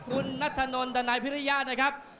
คุณนัทธนลทนายพิริยะนะครับ